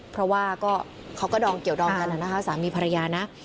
เพราะว่าเขาก็ดองเกี่ยวดองกันนะคะสามีภรรยานะ